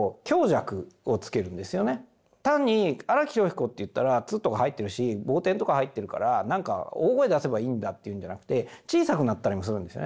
単に荒木飛呂彦といったら「ッ」とか入ってるし傍点とか入ってるから何か大声出せばいいんだっていうんじゃなくて小さくなったりもするんですよね。